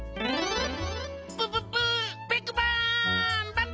プププ！ビッグバーン！